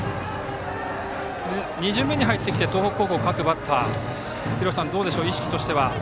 ２巡目に入って東北高校の各バッター廣瀬さん、どうでしょう意識としては。